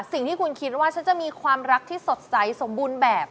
สิ่งที่คุณคิดว่าฉันจะมีความรักที่สดใสสมบูรณ์แบบ